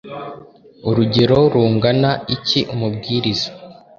urugero rungana iki umubwiriza